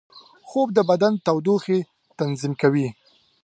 خوب د بدن تودوخې تنظیم کوي